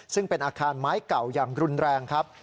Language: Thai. ซึ่งเป็นอาคารไม้เก่าอย่างรุนแรงครับ